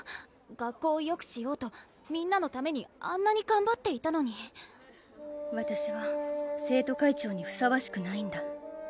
学校をよくしようとみんなのためにあんなにがんばっていたのにわたしは生徒会長にふさわしくないんだ